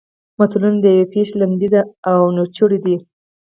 متلونه د یوې پېښې لنډیز او نچوړ دي